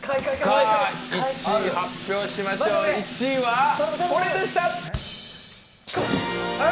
１位発表しましょう、これでした！